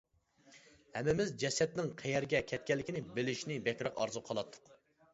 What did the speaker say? ھەممىمىز جەسەتنىڭ قەيەرگە كەتكەنلىكىنى بىلىشنى بەكرەك ئارزۇ قىلاتتۇق.